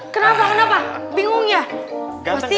kenapa kenapa bingung ya